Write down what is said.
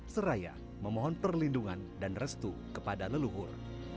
seraya memohon perlindungan dan restu kepada leluhur